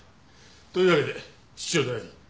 というわけで室長代理。